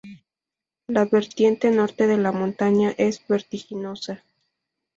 La vertiente norte de la montaña es vertiginosa.